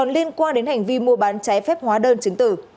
liên quan đến hành vi mua bán trái phép hóa đơn chứng tử